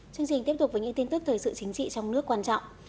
chương trình tiếp tục với những tin tức thời sự chính trị trong nước quan trọng